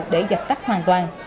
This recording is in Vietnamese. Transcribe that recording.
để giặt tắt hoàn toàn